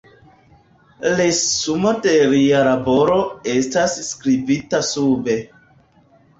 Resumo de lia laboro estas skribita sube.